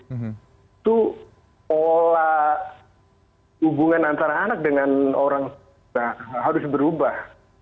itu pola hubungan antara anak dengan orang harus berubah